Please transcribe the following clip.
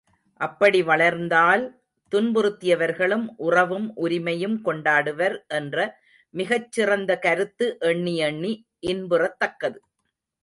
அப்படி வளர்ந்தால் துன்புறுத்தியவர்களும் உறவும் உரிமையும் கொண்டாடுவர், என்ற மிகச் சிறந்த கருத்து எண்ணி எண்ணி இன்புறத்தக்கது.